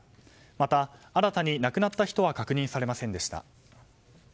また、新たに亡くなった人は確認されませんでした。